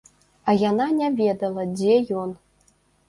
А яна не ведала, дзе ён.